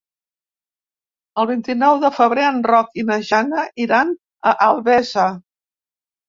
El vint-i-nou de febrer en Roc i na Jana iran a Albesa.